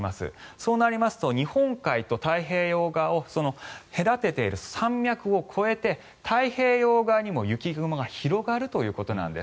そうなりますと日本海と太平洋側を隔てている山脈を越えて、太平洋側にも雪雲が広がるということなんです。